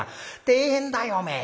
大変だよおめえ。